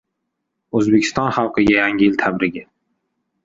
O‘zbekiston xalqiga yangi yil tabrigi